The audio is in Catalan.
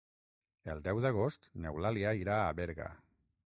El deu d'agost n'Eulàlia irà a Berga.